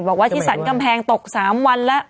บอกว่าที่สรรกำแพงตก๓วันแล้ว